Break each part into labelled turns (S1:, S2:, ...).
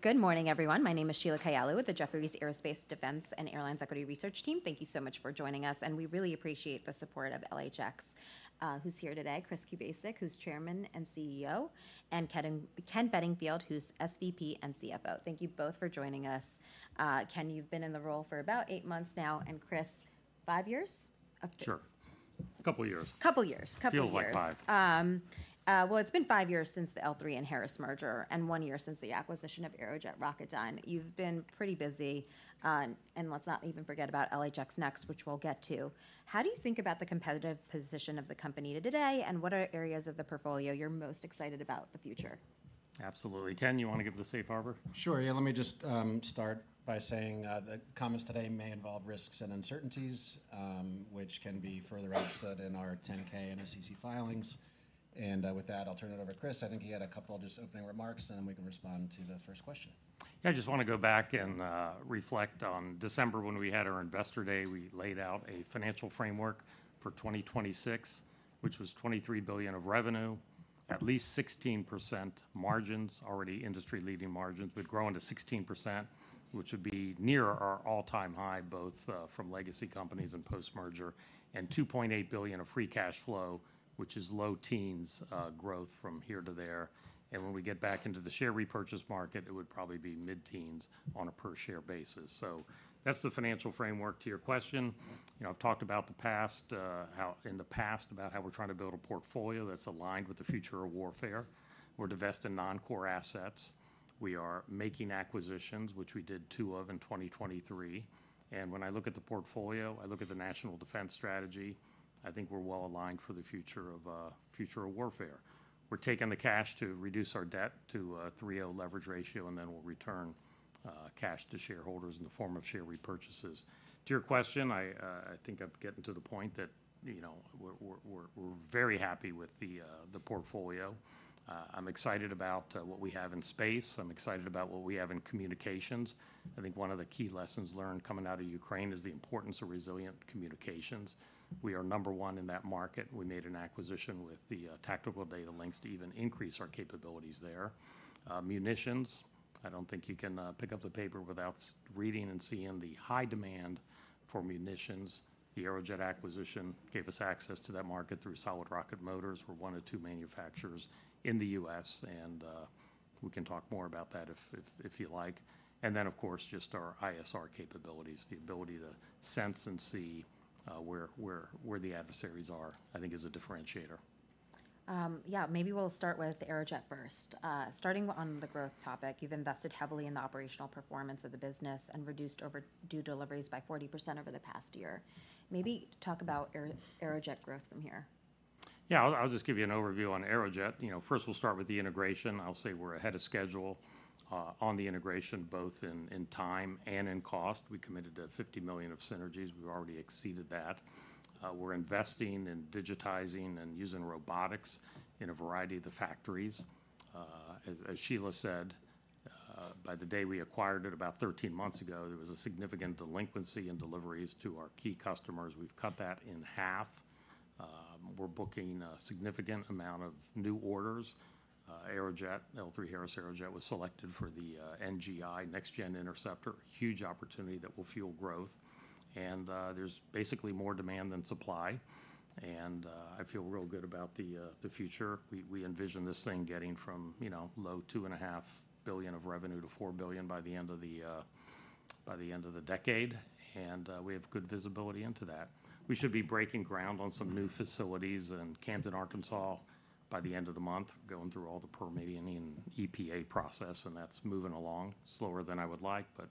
S1: Good morning, everyone. My name is Sheila Kahyaoglu with the Jefferies Aerospace, Defense, and Airlines Equity Research Team. Thank you so much for joining us, and we really appreciate the support of LHX, who's here today, Chris Kubasik, who's Chairman and CEO, and Ken Bedingfield, who's SVP and CFO. Thank you both for joining us. Ken, you've been in the role for about eight months now, and Chris, five years of-
S2: Sure. A couple years.
S1: Couple years.
S2: Feels like five.
S1: Well, it's been five years since the L3 and Harris merger and one year since the acquisition of Aerojet Rocketdyne. You've been pretty busy, and let's not even forget about LHX Next, which we'll get to. How do you think about the competitive position of the company today, and what are areas of the portfolio you're most excited about the future?
S2: Absolutely. Ken, you wanna give the safe harbor?
S3: Sure. Yeah, let me just start by saying the comments today may involve risks and uncertainties, which can be further set out in our 10-K and SEC filings, and with that, I'll turn it over to Chris. I think he had a couple of just opening remarks, and then we can respond to the first question.
S2: Yeah, I just wanna go back and reflect on December when we had our Investor Day. We laid out a financial framework for 2026, which was $23 billion of revenue, at least 16% margins, already industry-leading margins, but grow into 16%, which would be near our all-time high, both from legacy companies and post-merger, and $2.8 billion of free cash flow, which is low teens growth from here to there. And when we get back into the share repurchase market, it would probably be mid-teens on a per-share basis. So that's the financial framework to your question. You know, I've talked about the past, in the past, about how we're trying to build a portfolio that's aligned with the future of warfare. We're divesting non-core assets. We are making acquisitions, which we did two of in 2023, and when I look at the portfolio, I look at the National Defense Strategy, I think we're well aligned for the future of warfare. We're taking the cash to reduce our debt to a 3x leverage ratio, and then we'll return cash to shareholders in the form of share repurchases. To your question, I think I'm getting to the point that, you know, we're very happy with the portfolio. I'm excited about what we have in space. I'm excited about what we have in communications. I think one of the key lessons learned coming out of Ukraine is the importance of resilient communications. We are number one in that market. We made an acquisition with the tactical data links to even increase our capabilities there. Munitions, I don't think you can pick up the paper without seeing the high demand for munitions. The Aerojet acquisition gave us access to that market through solid rocket motors. We're one of two manufacturers in the U.S., and we can talk more about that if you like. And then, of course, just our ISR capabilities, the ability to sense and see where the adversaries are, I think is a differentiator.
S1: Yeah, maybe we'll start with Aerojet first. Starting on the growth topic, you've invested heavily in the operational performance of the business and reduced overdue deliveries by 40% over the past year. Maybe talk about Aerojet growth from here.
S2: Yeah, I'll just give you an overview on Aerojet. You know, first, we'll start with the integration. I'll say we're ahead of schedule on the integration, both in time and in cost. We committed to $50 million of synergies. We've already exceeded that. We're investing in digitizing and using robotics in a variety of the factories. As Sheila said, by the day we acquired it, about thirteen months ago, there was a significant delinquency in deliveries to our key customers. We've cut that in half. We're booking a significant amount of new orders. Aerojet, L3Harris Aerojet, was selected for the NGI, Next-Gen Interceptor, huge opportunity that will fuel growth, and there's basically more demand than supply, and I feel real good about the future. We envision this thing getting from, you know, low $2.5 billion of revenue to $4 billion by the end of the decade, and we have good visibility into that. We should be breaking ground on some new facilities in Camden, Arkansas, by the end of the month, going through all the permitting and EPA process, and that's moving along. Slower than I would like, but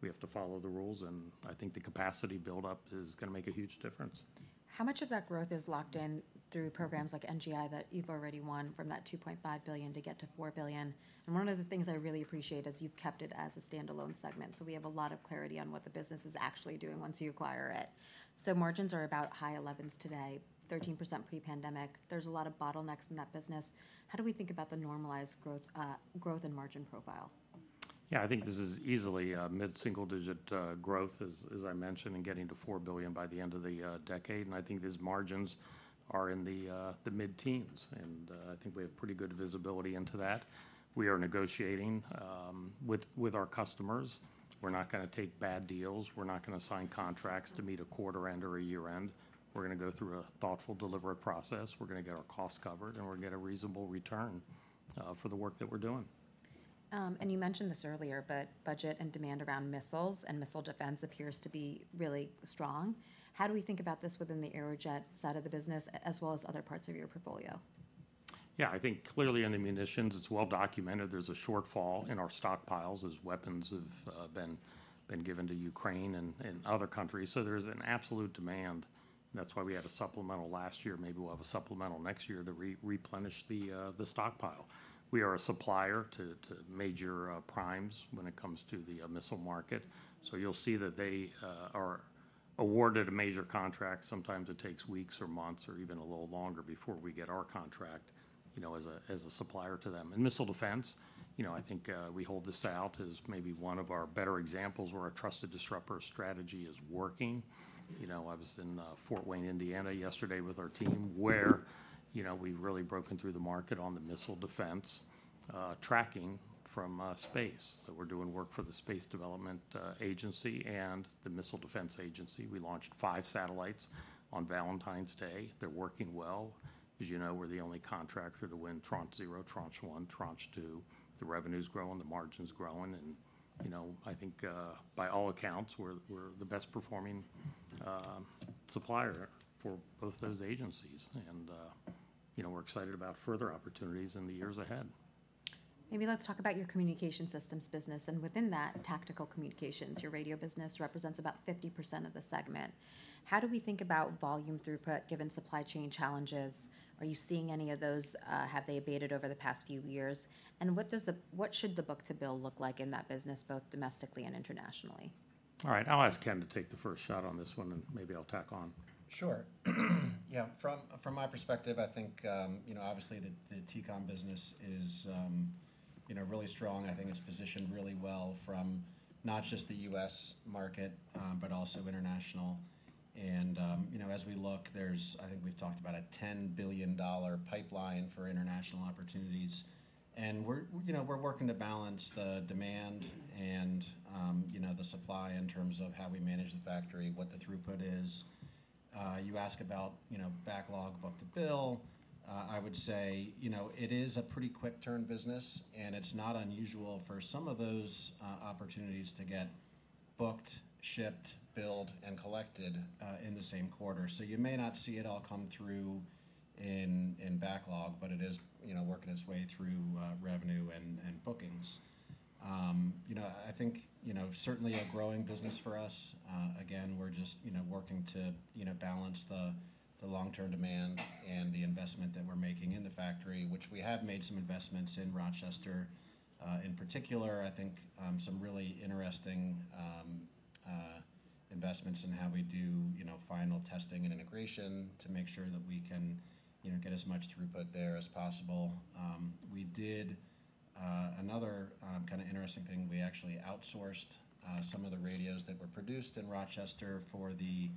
S2: we have to follow the rules, and I think the capacity build-up is gonna make a huge difference.
S1: How much of that growth is locked in through programs like NGI that you've already won from that $2.5 billion to get to $4 billion? And one of the things I really appreciate is you've kept it as a standalone segment, so we have a lot of clarity on what the business is actually doing once you acquire it. So margins are about high 11s today, 13% pre-pandemic. There's a lot of bottlenecks in that business. How do we think about the normalized growth, growth and margin profile?
S2: Yeah, I think this is easily mid-single-digit growth, as I mentioned, and getting to four billion by the end of the decade, and I think these margins are in the mid-teens, and I think we have pretty good visibility into that. We are negotiating with our customers. We're not gonna take bad deals. We're not gonna sign contracts to meet a quarter end or a year end. We're gonna go through a thoughtful, deliberate process. We're gonna get our costs covered, and we're gonna get a reasonable return for the work that we're doing.
S1: And you mentioned this earlier, but budget and demand around missiles and missile defense appears to be really strong. How do we think about this within the Aerojet side of the business, as well as other parts of your portfolio?
S2: Yeah, I think clearly in the munitions, it's well documented there's a shortfall in our stockpiles as weapons have been given to Ukraine and other countries, so there's an absolute demand. That's why we had a supplemental last year. Maybe we'll have a supplemental next year to replenish the stockpile. We are a supplier to major primes when it comes to the missile market, so you'll see that they are awarded a major contract. Sometimes it takes weeks or months or even a little longer before we get our contract, you know, as a supplier to them. In missile defense, you know, I think we hold this out as maybe one of our better examples where our trusted disruptor strategy is working. You know, I was in Fort Wayne, Indiana, yesterday with our team, where, you know, we've really broken through the market on the missile defense tracking from space. So we're doing work for the Space Development Agency and the Missile Defense Agency. We launched five satellites on Valentine's Day. They're working well. As you know, we're the only contractor to win Tranche 0, Tranche 1, Tranche 2. The revenue's growing, the margin's growing, and, you know, I think, by all accounts, we're the best performing supplier for both those agencies, and you know, we're excited about further opportunities in the years ahead.
S1: Maybe let's talk about your communication systems business, and within that, tactical communications. Your radio business represents about 50% of the segment. How do we think about volume throughput, given supply chain challenges? Are you seeing any of those, have they abated over the past few years? And what should the book-to-bill look like in that business, both domestically and internationally?
S2: All right, I'll ask Ken to take the first shot on this one, and maybe I'll tack on.
S3: Sure. Yeah, from my perspective, I think, you know, obviously, the TCOM business is, you know, really strong, and I think it's positioned really well from not just the U.S. market, but also international. And, you know, as we look, there's. I think we've talked about a $10 billion pipeline for international opportunities. And we're, you know, we're working to balance the demand and, you know, the supply in terms of how we manage the factory, what the throughput is. You ask about, you know, backlog book-to-bill. I would say, you know, it is a pretty quick turn business, and it's not unusual for some of those opportunities to get booked, shipped, billed, and collected, in the same quarter. So you may not see it all come through in backlog, but it is, you know, working its way through revenue and bookings. You know, I think, you know, certainly a growing business for us. Again, we're just, you know, working to, you know, balance the long-term demand and the investment that we're making in the factory, which we have made some investments in Rochester. In particular, I think some really interesting investments in how we do, you know, final testing and integration to make sure that we can, you know, get as much throughput there as possible. We did another kind of interesting thing. We actually outsourced some of the radios that were produced in Rochester for the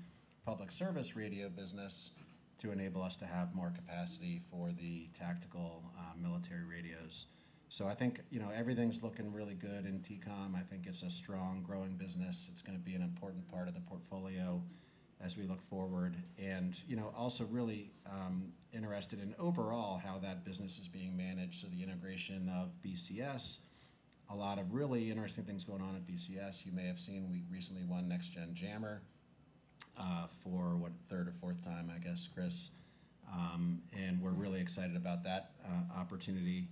S3: public service radio business to enable us to have more capacity for the tactical military radios. So I think, you know, everything's looking really good in TCOM. I think it's a strong, growing business. It's gonna be an important part of the portfolio as we look forward and, you know, also really interested in overall how that business is being managed. So the integration of BCS, a lot of really interesting things going on at BCS. You may have seen we recently won Next-Gen Jammer for what, third or fourth time, I guess, Chris? And we're really excited about that opportunity.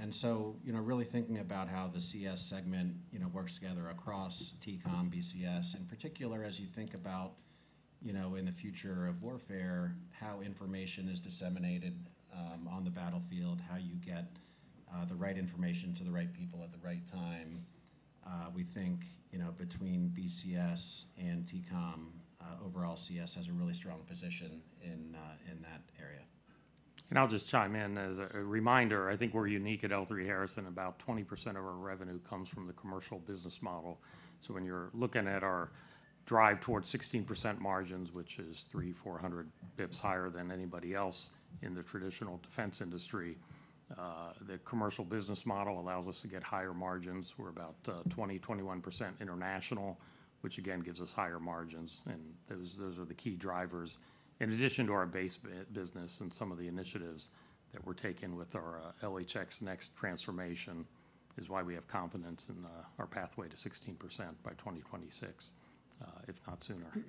S3: And so, you know, really thinking about how the CS segment, you know, works together across TCOM, BCS, in particular, as you think about, you know, in the future of warfare, how information is disseminated on the battlefield, how you get the right information to the right people at the right time. We think, you know, between BCS and TCOM, overall, CS has a really strong position in that area.
S2: I'll just chime in. As a reminder, I think we're unique at L3Harris, in about 20% of our revenue comes from the commercial business model. So when you're looking at our drive towards 16% margins, which is 300-400 basis points higher than anybody else in the traditional defense industry, the commercial business model allows us to get higher margins. We're about 20%-21% international, which again, gives us higher margins, and those are the key drivers. In addition to our base business and some of the initiatives that we're taking with our LHX Next transformation, is why we have confidence in our pathway to 16% by 2026, if not sooner.
S1: And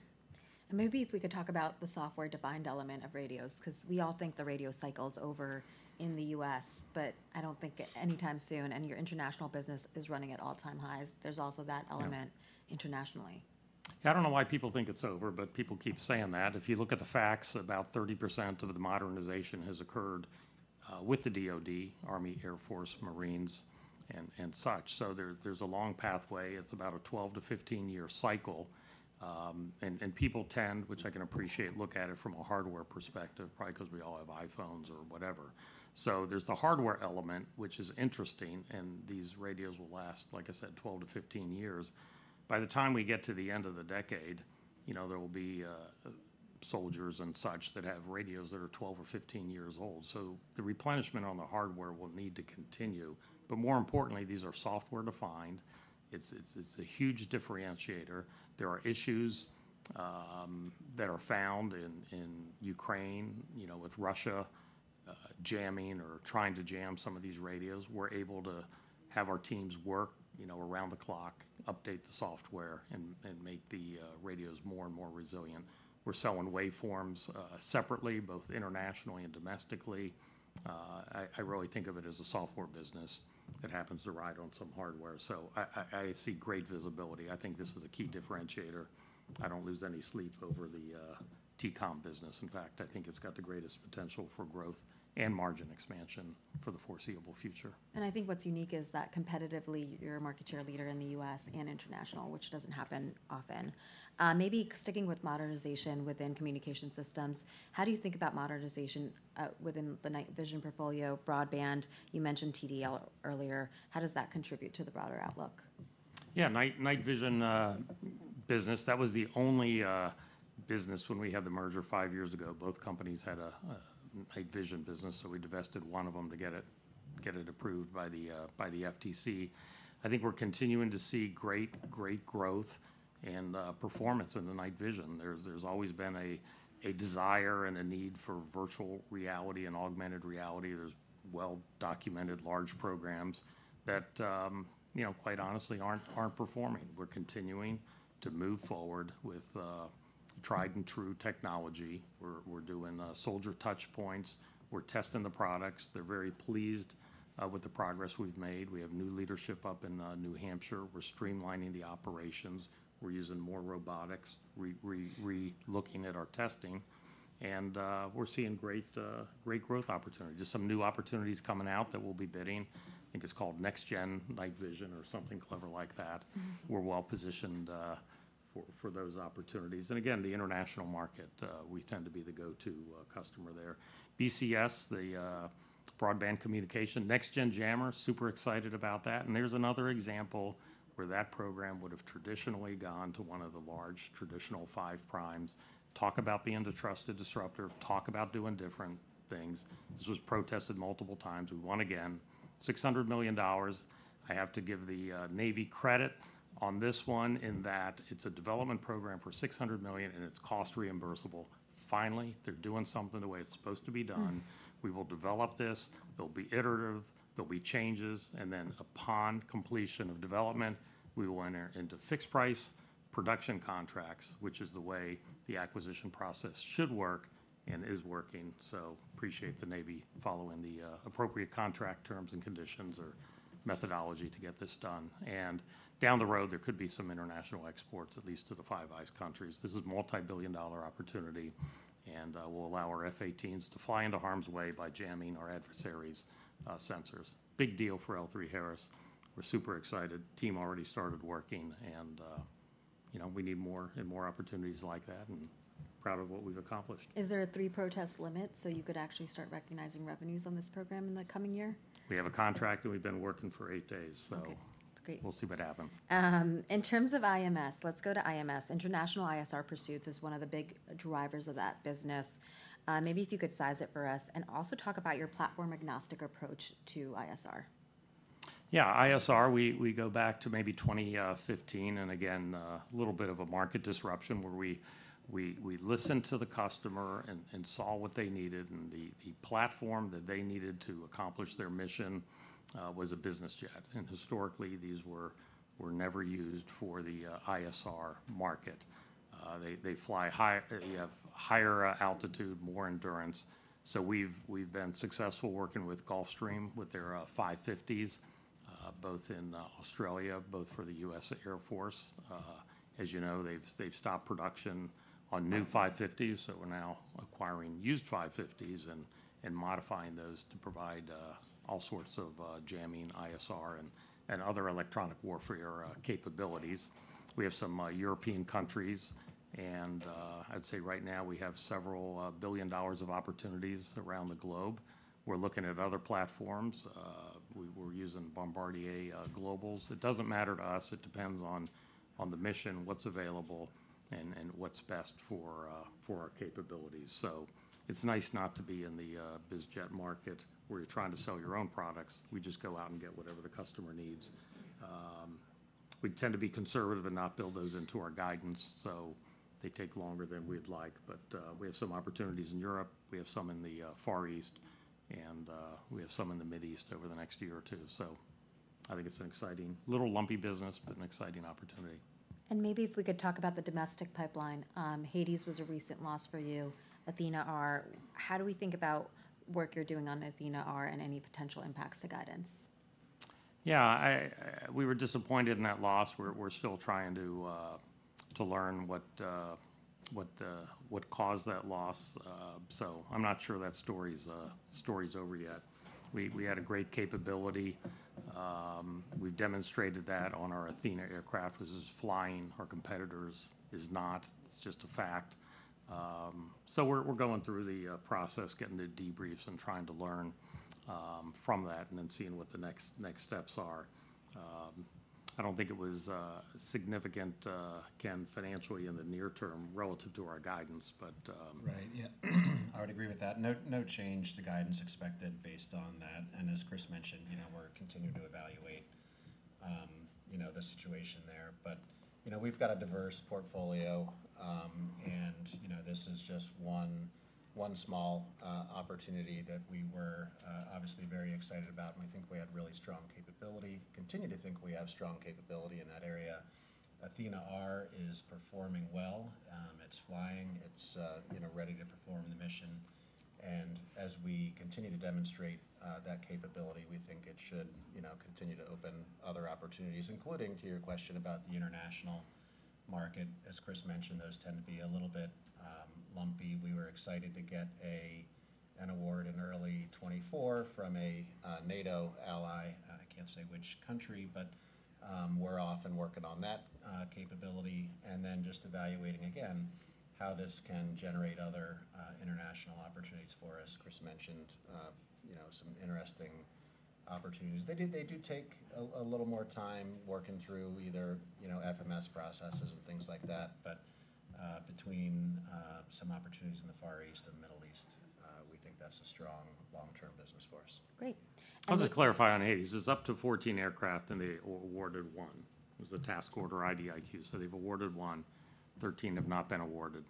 S1: maybe if we could talk about the software-defined element of radios, 'cause we all think the radio cycle's over in the U.S., but I don't think anytime soon, and your international business is running at all-time highs. There's also that element-
S2: Yeah...
S1: internationally.
S2: Yeah, I don't know why people think it's over, but people keep saying that. If you look at the facts, about 30% of the modernization has occurred with the DoD, Army, Air Force, Marines, and such. So there's a long pathway. It's about a 12-year to 15-year cycle, and people tend, which I can appreciate, look at it from a hardware perspective, probably 'cause we all have iPhones or whatever. So there's the hardware element, which is interesting, and these radios will last, like I said, 12-15 years. By the time we get to the end of the decade, you know, there will be soldiers and such that have radios that are 12 or 15 years old. So the replenishment on the hardware will need to continue. But more importantly, these are software defined. It's a huge differentiator. There are issues that are found in Ukraine, you know, with Russia, jamming or trying to jam some of these radios. We're able to have our teams work, you know, around the clock, update the software, and make the radios more and more resilient. We're selling waveforms separately, both internationally and domestically. I really think of it as a software business that happens to ride on some hardware. So I see great visibility. I think this is a key differentiator. I don't lose any sleep over the TCOM business. In fact, I think it's got the greatest potential for growth and margin expansion for the foreseeable future.
S1: And I think what's unique is that competitively, you're a market share leader in the U.S. and international, which doesn't happen often. Maybe sticking with modernization within communication systems, how do you think about modernization within the night vision portfolio, broadband? You mentioned TDL earlier. How does that contribute to the broader outlook?
S2: Yeah. Night vision business, that was the only business when we had the merger five years ago. Both companies had a night vision business, so we divested one of them to get it approved by the FTC. I think we're continuing to see great growth and performance in the night vision. There's always been a desire and a need for virtual reality and augmented reality. There's well-documented large programs that, you know, quite honestly, aren't performing. We're continuing to move forward with tried and true technology. We're doing soldier touch points. We're testing the products. They're very pleased with the progress we've made. We have new leadership up in New Hampshire. We're streamlining the operations. We're using more robotics, relooking at our testing, and we're seeing great, great growth opportunity. Just some new opportunities coming out that we'll be bidding. I think it's called Next-Gen Night Vision or something clever like that.
S1: Mm-hmm.
S2: We're well positioned for those opportunities. And again, the international market, we tend to be the go-to customer there. BCS, the Broadband Communication, Next-Gen Jammer, super excited about that. And there's another example where that program would have traditionally gone to one of the large, traditional five primes. Talk about being the trusted disruptor, talk about doing different things. This was protested multiple times. We won again, $600 million. I have to give the Navy credit on this one in that it's a development program for $600 million, and it's cost reimbursable. Finally, they're doing something the way it's supposed to be done.
S1: Mm-hmm.
S2: We will develop this. It'll be iterative, there'll be changes, and then upon completion of development, we will enter into fixed-price production contracts, which is the way the acquisition process should work and is working. So appreciate the Navy following the appropriate contract terms and conditions or methodology to get this done. And down the road, there could be some international exports, at least to the Five Eyes countries. This is a multi-billion-dollar opportunity and will allow our F-18s to fly into harm's way by jamming our adversaries' sensors. Big deal for L3Harris. We're super excited. Team already started working and you know, we need more and more opportunities like that and proud of what we've accomplished.
S1: Is there a three-protest limit, so you could actually start recognizing revenues on this program in the coming year?
S2: We have a contract, and we've been working for eight days, so-
S1: Okay, that's great.
S2: We'll see what happens.
S1: In terms of IMS, let's go to IMS. International ISR pursuits is one of the big drivers of that business. Maybe if you could size it for us and also talk about your platform-agnostic approach to ISR.
S2: Yeah, ISR, we go back to maybe 2015, and again, a little bit of a market disruption where we listened to the customer and saw what they needed, and the platform that they needed to accomplish their mission was a business jet. And historically, these were never used for the ISR market. They fly high. They have higher altitude, more endurance. So we've been successful working with Gulfstream, with their 550s, both in Australia, both for the U.S. Air Force. As you know, they've stopped production on new 550s, so we're now acquiring used 550s and modifying those to provide all sorts of jamming, ISR, and other electronic warfare capabilities. We have some European countries, and I'd say right now we have several billion dollars of opportunities around the globe. We're looking at other platforms. We're using Bombardier Globals. It doesn't matter to us. It depends on the mission, what's available and what's best for our capabilities. So it's nice not to be in the biz jet market, where you're trying to sell your own products. We just go out and get whatever the customer needs. We tend to be conservative and not build those into our guidance, so they take longer than we'd like. But we have some opportunities in Europe, we have some in the Far East, and we have some in the Middle East over the next year or two. So I think it's an exciting, little lumpy business, but an exciting opportunity.
S1: Maybe if we could talk about the domestic pipeline. HADES was a recent loss for you, Athena-R. How do we think about work you're doing on Athena-R and any potential impacts to guidance?
S2: Yeah, we were disappointed in that loss. We're still trying to learn what caused that loss. So I'm not sure that story's over yet. We had a great capability. We've demonstrated that on our Athena aircraft, which is flying. Our competitor's is not. It's just a fact. So we're going through the process, getting the debriefs and trying to learn from that and then seeing what the next steps are. I don't think it was significant, again, financially in the near term relative to our guidance, but.
S3: Right. Yeah, I would agree with that. No, no change to guidance expected based on that. And as Chris mentioned, you know, we're continuing to evaluate the situation there. But, you know, we've got a diverse portfolio, and, you know, this is just one small opportunity that we were obviously very excited about, and I think we had really strong capability, continue to think we have strong capability in that area. Athena-R is performing well. It's flying. It's, you know, ready to perform the mission. And as we continue to demonstrate that capability, we think it should, you know, continue to open other opportunities, including, to your question about the international market. As Chris mentioned, those tend to be a little bit lumpy. We were excited to get an award in early 2024 from a NATO ally. I can't say which country, but we're off and working on that capability and then just evaluating again how this can generate other international opportunities for us. Chris mentioned, you know, some interesting opportunities. They do take a little more time working through either, you know, FMS processes and things like that, but between some opportunities in the Far East and Middle East, we think that's a strong long-term business for us.
S1: Great. And-
S2: I'll just clarify on HADES. It's up to 14 aircraft, and they awarded one. It was a task order IDIQ, so they've awarded one. 13 have not been awarded.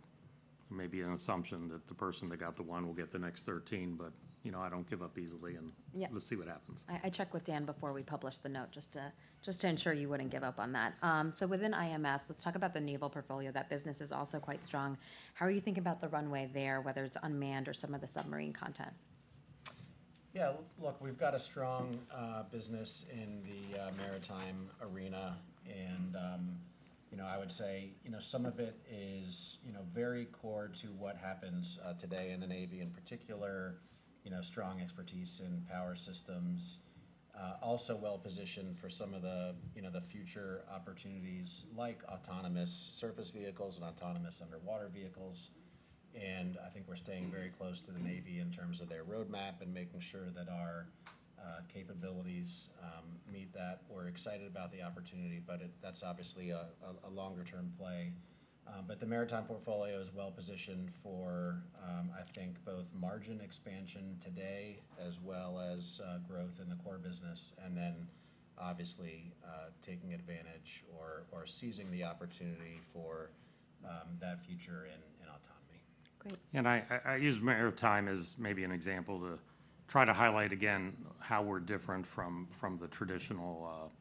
S2: Maybe an assumption that the person that got the one will get the next 13, but, you know, I don't give up easily, and-
S1: Yeah.
S2: -Let's see what happens.
S1: I checked with Dan before we published the note just to ensure you wouldn't give up on that. So within IMS, let's talk about the naval portfolio. That business is also quite strong. How are you thinking about the runway there, whether it's unmanned or some of the submarine content?
S3: Yeah, look, we've got a strong business in the maritime arena, and you know, I would say, you know, some of it is, you know, very core to what happens today in the Navy, in particular, you know, strong expertise in power systems. Also well-positioned for some of the, you know, the future opportunities like autonomous surface vehicles and autonomous underwater vehicles. And I think we're staying very close to the Navy in terms of their roadmap and making sure that our capabilities meet that. We're excited about the opportunity, but that's obviously a longer-term play. But the maritime portfolio is well positioned for, I think, both margin expansion today, as well as growth in the core business, and then obviously taking advantage or seizing the opportunity for that future in autonomy.
S1: Great.
S2: And I use maritime as maybe an example to try to highlight again how we're different from the traditional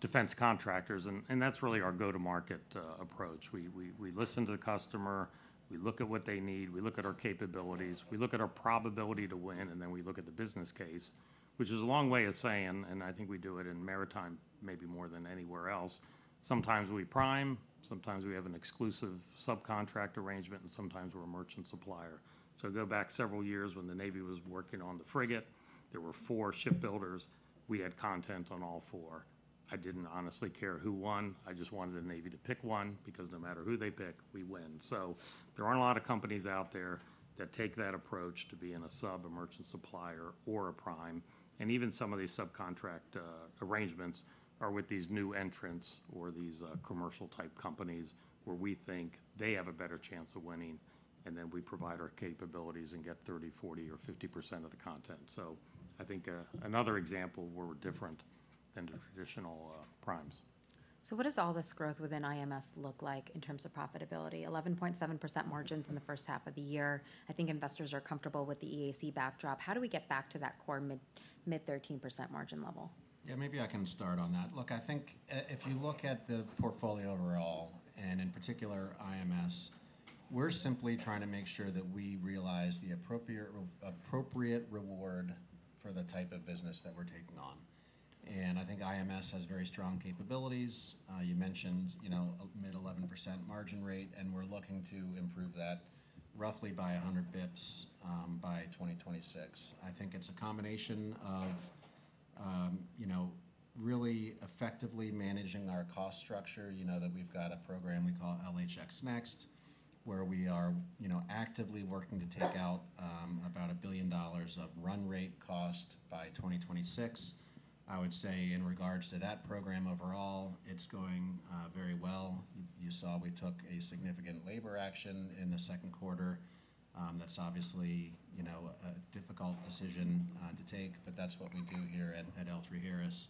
S2: defense contractors, and that's really our go-to-market approach. We listen to the customer, we look at what they need, we look at our capabilities, we look at our probability to win, and then we look at the business case. Which is a long way of saying, and I think we do it in maritime maybe more than anywhere else, sometimes we prime, sometimes we have an exclusive subcontract arrangement, and sometimes we're a merchant supplier. So go back several years when the Navy was working on the frigate, there were four shipbuilders. We had content on all four. I didn't honestly care who won, I just wanted the Navy to pick one, because no matter who they pick, we win. So there aren't a lot of companies out there that take that approach to being a sub, a merchant supplier or a prime. And even some of these subcontract arrangements are with these new entrants or these commercial-type companies, where we think they have a better chance of winning, and then we provide our capabilities and get 30%, 40%, or 50% of the content. So I think another example where we're different than the traditional primes.
S1: What does all this growth within IMS look like in terms of profitability? 11.7% margins in the first half of the year. I think investors are comfortable with the EAC backdrop. How do we get back to that core mid-13% margin level?
S3: Yeah, maybe I can start on that. Look, I think, if you look at the portfolio overall, and in particular, IMS, we're simply trying to make sure that we realize the appropriate reward for the type of business that we're taking on. And I think IMS has very strong capabilities. You mentioned, you know, a mid-eleven% margin rate, and we're looking to improve that roughly by a hundred basis points, by 2026. I think it's a combination of, you know, really effectively managing our cost structure. You know, that we've got a program we call LHX Next, where we are, you know, actively working to take out, about $1 billion of run rate cost by 2026. I would say in regards to that program overall, it's going, very well. You saw we took a significant labor action in the second quarter. That's obviously, you know, a difficult decision to take, but that's what we do here at, at L3Harris.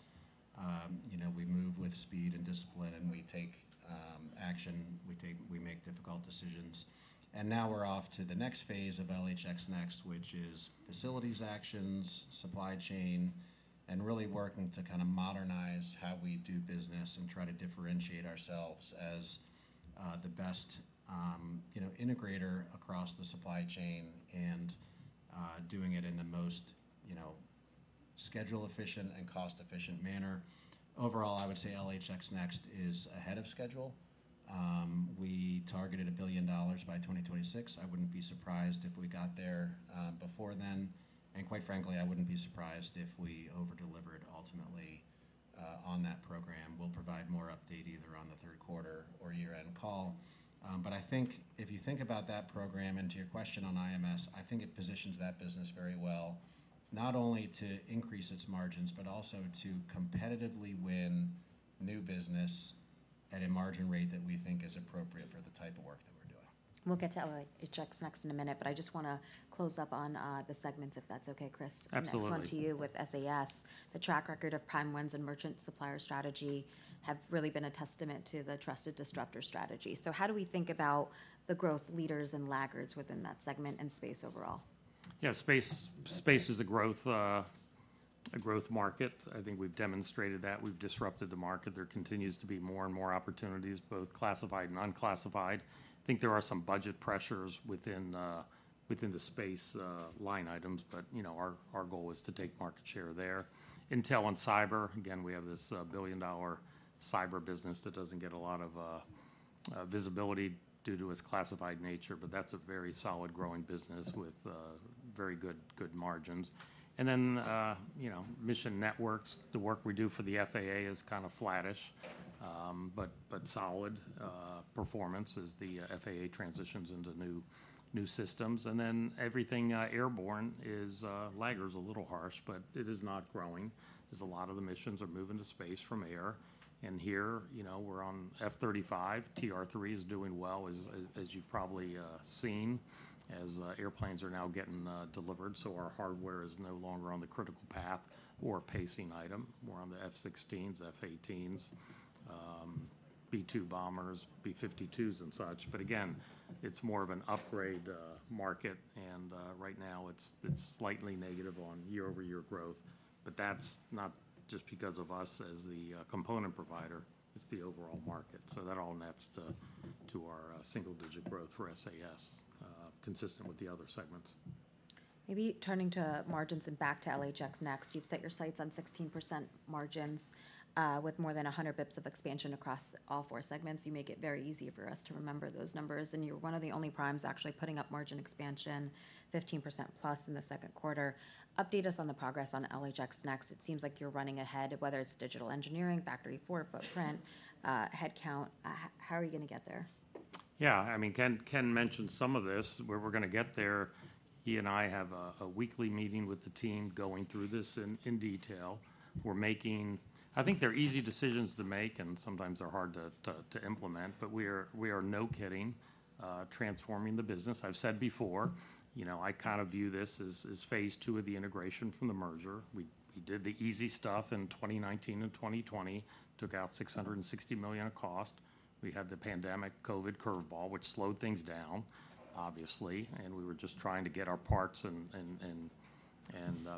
S3: You know, we move with speed and discipline, and we take action. We make difficult decisions, and now we're off to the next phase of LHX Next, which is facilities actions, supply chain, and really working to kind of modernize how we do business and try to differentiate ourselves as the best, you know, integrator across the supply chain and doing it in the most, you know, schedule-efficient and cost-efficient manner. Overall, I would say LHX Next is ahead of schedule. We targeted $1 billion by 2026. I wouldn't be surprised if we got there before then, and quite frankly, I wouldn't be surprised if we over-delivered ultimately on that program. We'll provide more update either on the third quarter or year-end call. But I think if you think about that program, and to your question on IMS, I think it positions that business very well, not only to increase its margins, but also to competitively win new business at a margin rate that we think is appropriate for the type of work that we're doing.
S1: We'll get to LHX Next in a minute, but I just wanna close up on the segments, if that's okay, Chris.
S3: Absolutely.
S1: Next one to you, Sheila. The track record of prime wins and merchant supplier strategy have really been a testament to the trusted disruptor strategy. So how do we think about the growth leaders and laggards within that segment and space overall?
S2: Yeah, space is a growth market. I think we've demonstrated that. We've disrupted the market. There continues to be more and more opportunities, both classified and unclassified. I think there are some budget pressures within the space line items, but, you know, our goal is to take market share there. Intel and Cyber, again, we have this billion-dollar cyber business that doesn't get a lot of visibility due to its classified nature, but that's a very solid, growing business with very good margins. And then, you know, Mission Networks, the work we do for the FAA is kind of flattish, but solid performance as the FAA transitions into new systems. And then everything airborne is laggard, a little harsh, but it is not growing, as a lot of the missions are moving to space from air. And here, you know, we're on F-35. TR-3 is doing well, as you've probably seen, as airplanes are now getting delivered, so our hardware is no longer on the critical path or pacing item. More on the F-16s, F-18s, B-2 bombers, B-52s, and such. But again, it's more of an upgrade market, and right now it's slightly negative on year-over-year growth. But that's not just because of us as the component provider, it's the overall market. So that all nets to our single-digit growth for SAS consistent with the other segments.
S1: Maybe turning to margins and back to LHX Next. You've set your sights on 16% margins, with more than 100 basis points of expansion across all four segments. You make it very easy for us to remember those numbers, and you're one of the only primes actually putting up margin expansion, 15% plus in the second quarter. Update us on the progress on LHX Next. It seems like you're running ahead, whether it's digital engineering, factory footprint, headcount. How are you gonna get there?
S2: Yeah, I mean, Ken, Ken mentioned some of this, where we're gonna get there. He and I have a weekly meeting with the team going through this in detail. We're making. I think they're easy decisions to make, and sometimes they're hard to implement, but we are, no kidding, transforming the business. I've said before, you know, I kind of view this as phase two of the integration from the merger. We did the easy stuff in 2019 and 2020, took out $660 million of cost. We had the pandemic COVID curveball, which slowed things down, obviously, and we were just trying to get our parts and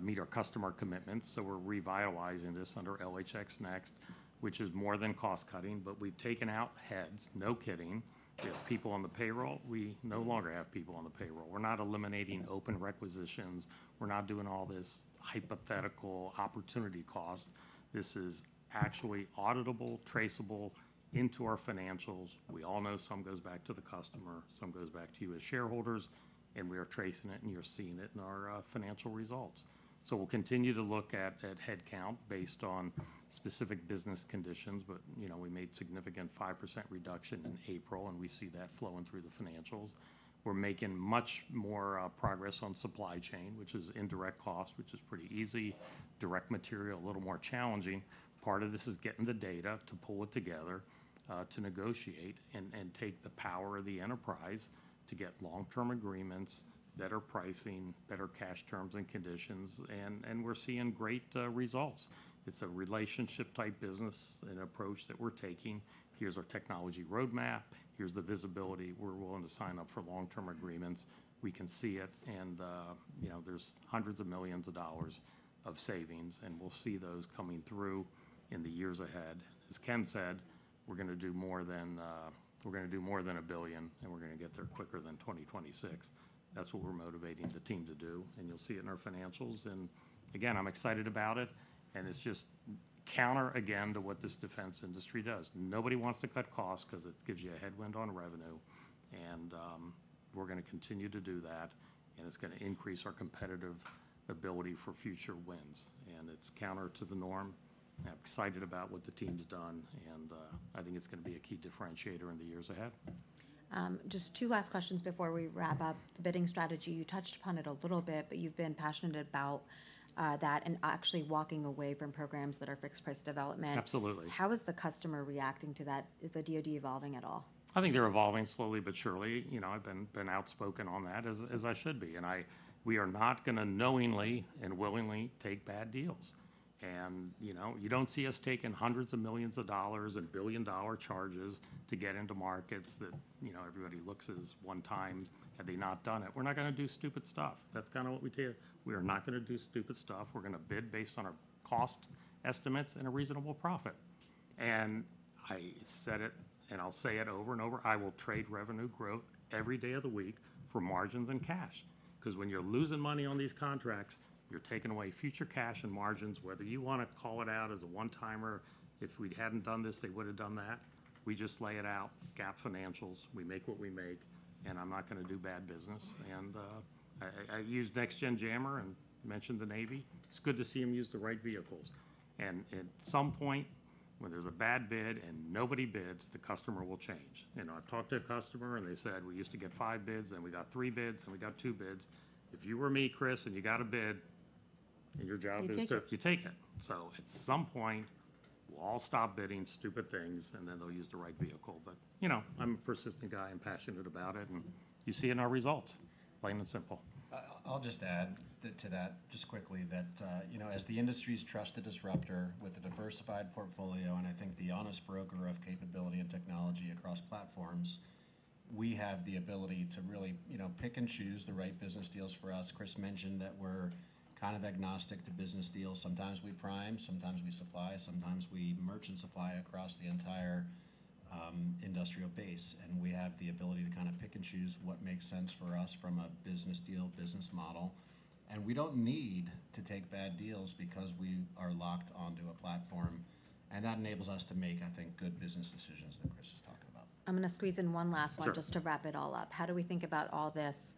S2: meet our customer commitments. So we're revitalizing this under LHX Next, which is more than cost cutting, but we've taken out heads, no kidding. We have people on the payroll. We no longer have people on the payroll. We're not eliminating open requisitions. We're not doing all this hypothetical opportunity cost. This is actually auditable, traceable into our financials. We all know some goes back to the customer, some goes back to you as shareholders, and we are tracing it, and you're seeing it in our financial results. So we'll continue to look at headcount based on specific business conditions, but you know, we made significant 5% reduction in April, and we see that flowing through the financials. We're making much more progress on supply chain, which is indirect cost, which is pretty easy. Direct material, a little more challenging. Part of this is getting the data to pull it together to negotiate and take the power of the enterprise to get long-term agreements, better pricing, better cash terms and conditions, and we're seeing great results. It's a relationship-type business and approach that we're taking. Here's our technology roadmap, here's the visibility. We're willing to sign up for long-term agreements. We can see it, and you know, there's $hundreds of millions of savings, and we'll see those coming through in the years ahead. As Ken said, we're gonna do more than $1 billion, and we're gonna get there quicker than 2026. That's what we're motivating the team to do, and you'll see it in our financials. Again, I'm excited about it, and it's just counter, again, to what this defense industry does. Nobody wants to cut costs 'cause it gives you a headwind on revenue, and we're gonna continue to do that, and it's gonna increase our competitive ability for future wins, and it's counter to the norm. I'm excited about what the team's done, and I think it's gonna be a key differentiator in the years ahead.
S1: Just two last questions before we wrap up. The bidding strategy, you touched upon it a little bit, but you've been passionate about that and actually walking away from programs that are fixed-price development.
S2: Absolutely.
S1: How is the customer reacting to that? Is the DoD evolving at all?
S2: I think they're evolving slowly but surely. You know, I've been outspoken on that, as I should be, and we are not gonna knowingly and willingly take bad deals. You know, you don't see us taking hundreds of millions of dollars and billion-dollar charges to get into markets that, you know, everybody looks as one time, had they not done it. We're not gonna do stupid stuff. That's kind of what we tell you. We are not gonna do stupid stuff. We're gonna bid based on our cost estimates and a reasonable profit. And I said it, and I'll say it over and over: I will trade revenue growth every day of the week for margins and cash, because when you're losing money on these contracts, you're taking away future cash and margins, whether you want to call it out as a one-timer, if we hadn't done this, they would've done that. We just lay it out, GAAP financials. We make what we make, and I'm not gonna do bad business. And I used Next-Gen Jammer and mentioned the Navy. It's good to see them use the right vehicles. And at some point, when there's a bad bid and nobody bids, the customer will change. I've talked to a customer, and they said, "We used to get five bids, then we got three bids, then we got two bids." If you were me, Chris, and you got a bid, and your job is to-
S1: You take it.
S2: You take it. So at some point, we'll all stop bidding stupid things, and then they'll use the right vehicle. But, you know, I'm a persistent guy. I'm passionate about it, and you see it in our results, plain and simple.
S3: I'll just add to that, just quickly, that, you know, as the industry's trusted disruptor with a diversified portfolio and I think the honest broker of capability and technology across platforms, we have the ability to really, you know, pick and choose the right business deals for us. Chris mentioned that we're kind of agnostic to business deals. Sometimes we prime, sometimes we supply, sometimes we merchant supply across the entire, industrial base, and we have the ability to kind of pick and choose what makes sense for us from a business deal, business model. And we don't need to take bad deals because we are locked onto a platform, and that enables us to make, I think, good business decisions that Chris was talking about.
S1: I'm gonna squeeze in one last one-
S3: Sure.
S1: Just to wrap it all up. How do we think about all this,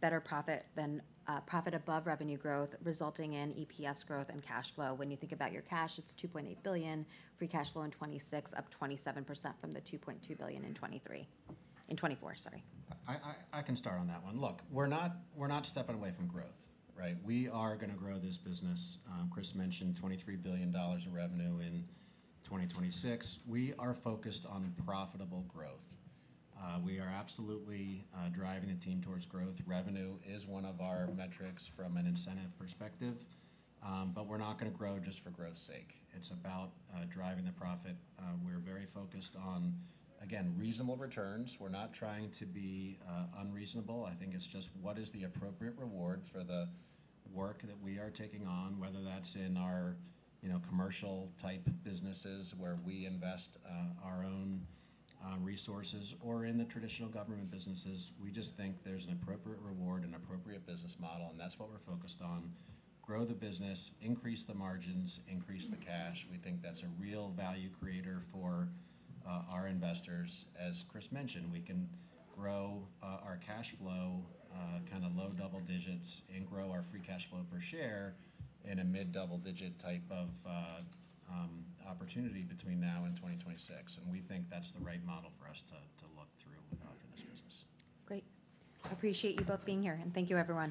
S1: better profit than profit above revenue growth, resulting in EPS growth and cash flow? When you think about your cash, it's $2.8 billion free cash flow in 2026, up 27% from the $2.2 billion in 2024.
S3: I can start on that one. Look, we're not stepping away from growth, right? We are gonna grow this business. Chris mentioned $23 billion of revenue in 2026. We are focused on profitable growth. We are absolutely driving the team towards growth. Revenue is one of our metrics from an incentive perspective, but we're not gonna grow just for growth's sake. It's about driving the profit. We're very focused on, again, reasonable returns. We're not trying to be unreasonable. I think it's just what is the appropriate reward for the work that we are taking on, whether that's in our, you know, commercial-type businesses, where we invest our own resources, or in the traditional government businesses. We just think there's an appropriate reward and appropriate business model, and that's what we're focused on. Grow the business, increase the margins, increase the cash. We think that's a real value creator for our investors. As Chris mentioned, we can grow our cash flow kind of low double digits and grow our free cash flow per share in a mid-double-digit type of opportunity between now and 2026, and we think that's the right model for us to look through for this business.
S1: Great. I appreciate you both being here, and thank you, everyone.